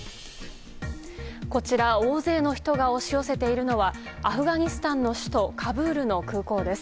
こちら大勢の人が押し寄せているのはアフガニスタンの首都カブールの空港です。